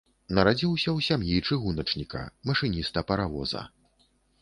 Нарадзіўся ў сям'і чыгуначніка, машыніста паравоза.